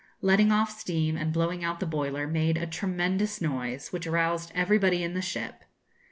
Letting off steam, and blowing out the boiler, made a tremendous noise, which aroused everybody in the ship.